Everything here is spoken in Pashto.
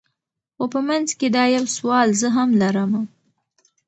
خو په منځ کي دا یو سوال زه هم لرمه